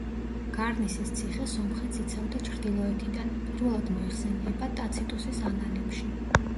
გარნისის ციხე სომხეთს იცავდა ჩრდილოეთიდან პირველად მოიხსენიება ტაციტუსის „ანალებში“.